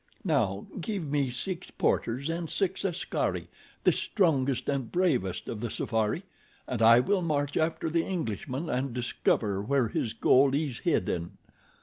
Now, give me six porters and six askaris—the strongest and bravest of the safari—and I will march after the Englishman and discover where his gold is hidden."